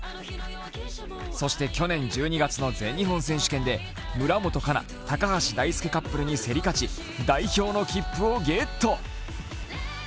去年１２月の日本選手権で村元哉中・高橋大輔カップルに競り勝ち、代表の切符をゲット。